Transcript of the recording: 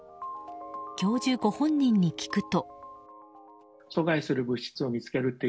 教授ご本人に聞くと。